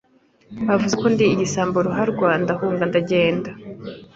bavuga ko ndi igisambo ruharwa ndahunga ndagenda